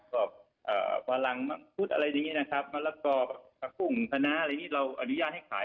ก็วาลังมะละกอปลูกพรรณาอะไรอย่างนี้เราอนุญาตให้ขาย